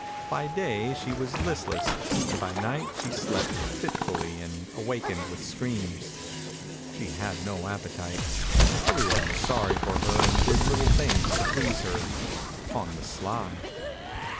By day she was listless and by night she slept fitfully and awakened with screams. She had no appetite. Every one was sorry for her and did little things to please her — on the sly.